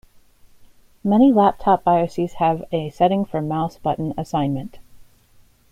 Many laptop bioses have a setting for mouse button assignment.